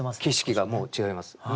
景色がもう違います。